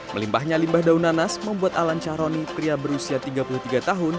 melimpahnya limbah daun nanas membuat alan charoni pria berusia tiga puluh tiga tahun